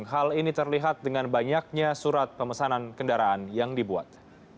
hal ini terlihat dengan banyaknya surat pemesanan kendaraan yang dibuat